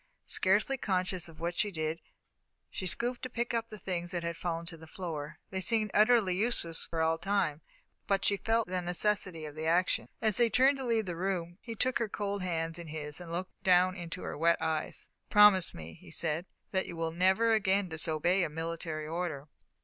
Scarcely conscious of what she did, she stooped to pick up the things that had fallen to the floor. They seemed utterly useless for all time, but she felt the necessity of action. As they turned to leave the room, he took her cold hands in his and looked down into her wet eyes. "Promise me," he said, "that you will never again disobey a military order."